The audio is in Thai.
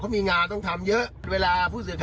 ดีเอ๊ะ